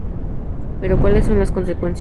Pero ¿cuáles serán las consecuencias?